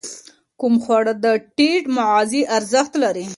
کوم خواړه د ټیټ مغذي ارزښت لري؟